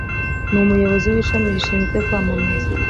Ni umuyobozi w'ishami rishinzwe kwamamaza.